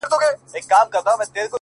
غربت مي شپې يوازي کړيدي تنها يمه زه-